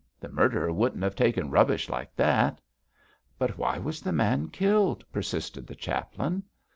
The murderer wouldn't have taken rubbish like that.' 'But why was the man killed?' persisted the chaplain.